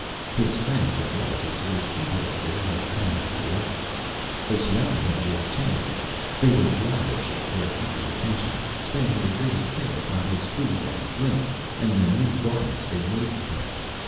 His friends and relatives were jubilant that he had come back to life. They surrounded him with tenderness, they were lavish of their eager attentions, spending the greatest care upon his food and drink and the new garments they made for him.